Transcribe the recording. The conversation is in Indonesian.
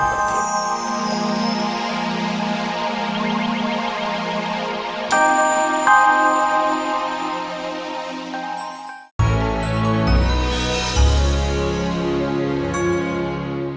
aku tidak mungkin membunuh kakakku sendiri